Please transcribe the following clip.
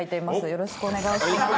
よろしくお願いします。